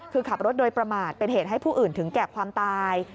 คือขับรถโดยประมาทเป็นเหตุให้ผู้อื่นถึงแก่ความตาย